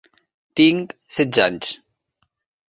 Tinc setze anys.